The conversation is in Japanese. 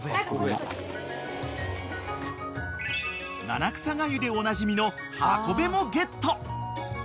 ［七草がゆでおなじみのハコベもゲット］